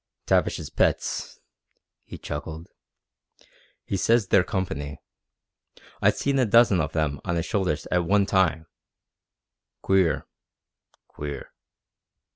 "Tavish's pets," he chuckled. "He says they're company. I've seen a dozen of them on his shoulders at one time. Queer. Queer."